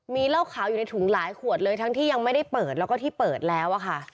มีเหล้าขาวอยู่ในถุงหลายขวดเลยทั้งที่ยังไม่ได้เปิดแล้วก็ที่เปิดแล้วอะค่ะ